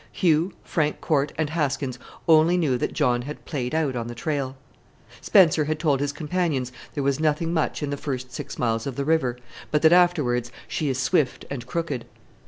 Hugh, Frank Corte, and Haskins only knew that John had played out on the trail. Spencer had told his companions there was nothing much in the first six miles of the river, but that afterwards "she is swift and crooked."